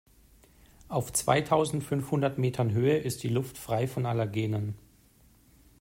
Auf zweitausendfünfhundert Metern Höhe ist die Luft frei von Allergenen.